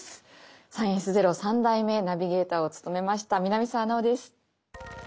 「サイエンスＺＥＲＯ」３代目ナビゲーターを務めました南沢奈央です。